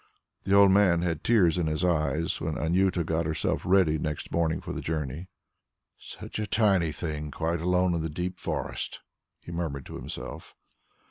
The old man had tears in his eyes when Anjuta got herself ready next morning for the journey. "Such a tiny thing, quite alone in the deep forest!" he murmured to himself.